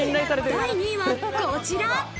第２位はこちら。